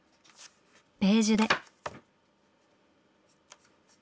ベージュで。